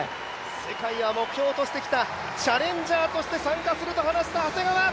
世界は目標としてきたチャレンジャーとして参加すると話した長谷川。